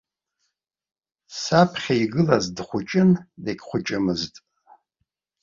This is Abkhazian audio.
Саԥхьа игылаз дхәыҷын, дегьхәыҷымызт.